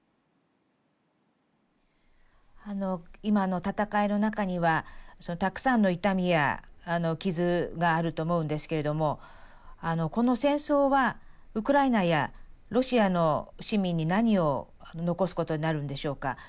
今の戦いの中にはたくさんの痛みや傷があると思うんですけれどもこの戦争はウクライナやロシアの市民に何を残すことになるんでしょうか？